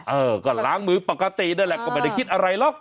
เออก็ล้างมือปกตินั่นแหละก็ไม่ได้คิดอะไรหรอก